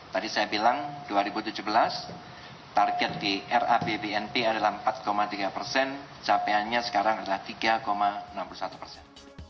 tadi saya bilang dua ribu tujuh belas target di rapbnp adalah empat tiga persen capaiannya sekarang adalah tiga enam puluh satu persen